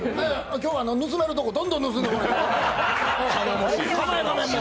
今日は盗めるとこどんどん盗んで。